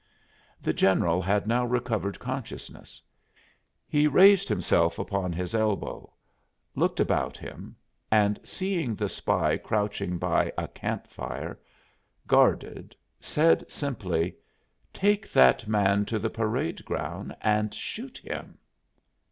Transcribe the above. The general had now recovered consciousness. He raised himself upon his elbow, looked about him, and, seeing the spy crouching by a camp fire, guarded, said simply: "Take that man to the parade ground and shoot him."